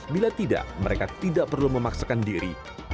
bila tidak mereka tidak perlu memaksakan diri